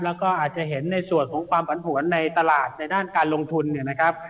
แล้วก็อาจจะเห็นในส่วนของความผันผวนในตลาดในด้านการลงทุนเนี่ยนะครับ